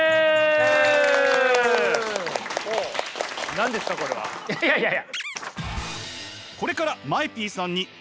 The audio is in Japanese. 何ですかこれは？いやいやいや。